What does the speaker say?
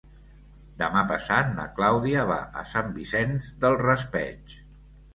Demà passat na Clàudia va a Sant Vicent del Raspeig.